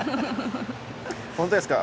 本当ですか？